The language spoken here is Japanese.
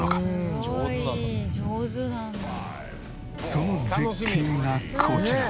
その絶景がこちら。